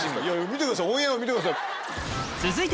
見てくださいオンエアを見てください。